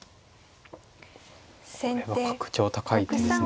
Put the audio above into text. これは格調高い手ですね。